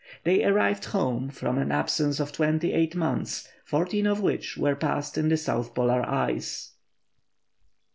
They arrived home after an absence of twenty eight months, fourteen of which were passed in the South Polar ice.